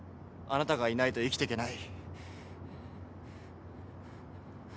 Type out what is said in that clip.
あなたがいないところで生きていたくない。